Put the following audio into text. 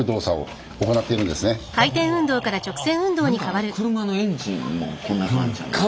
何か車のエンジンもこんな感じですね。